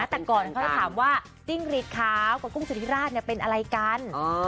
แต่ก่อนเขาจะถามว่าจิ้งรีดขาวกับกุ้งสุธิราชเป็นอะไรกัน